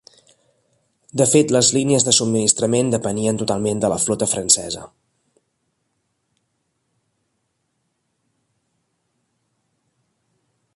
De fet, les línies de subministrament depenien totalment de la flota francesa.